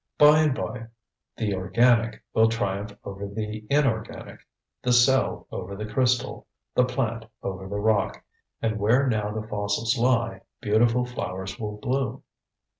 By and by the organic will triumph over the inorganic, the cell over the crystal, the plant over the rock, and where now the fossils lie beautiful flowers will bloom.